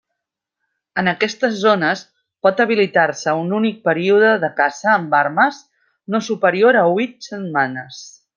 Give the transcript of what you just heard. En aquestes zones pot habilitar-se un únic període de caça amb armes no superior a huit setmanes.